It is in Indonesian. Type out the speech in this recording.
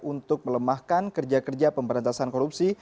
untuk melemahkan kerja kerja pemberantasan korupsi